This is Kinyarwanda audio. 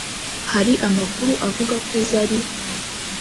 Hari amakuru avuga ko Zari